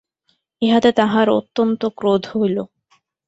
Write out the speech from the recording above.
ইহাতে তাঁহার অত্যন্ত ক্রোধ হইল।